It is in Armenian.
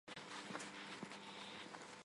դու կմնաս արթուն…